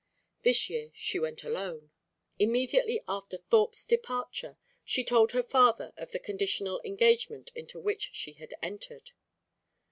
This year she went alone. Immediately after Thorpe's departure she told her father of the conditional engagement into which she had entered.